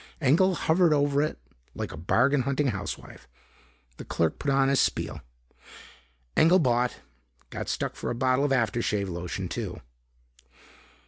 Engel hovered over it like a bargain hunting housewife. The clerk put on his spiel. Engel bought, got stuck for a bottle of after shave lotion too.